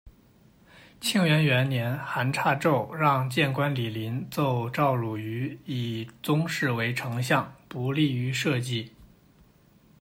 庆元元年韩侂胄让谏官李林奏赵汝愚以宗室为丞相，不利于社稷。